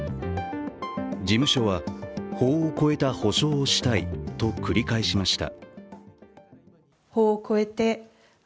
事務所は法を超えた補償をしたいと繰り返しました。